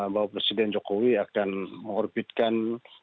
bahwa presiden jokowi akan mengorbitkan